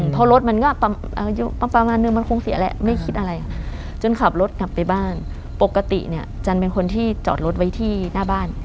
เพราะรถมันก็อายุประมาณนึงมันคงเสียแล้วไม่คิดอะไรจนขับรถกลับไปบ้านปกติเนี่ยจันเป็นคนที่จอดรถไว้ที่หน้าบ้าน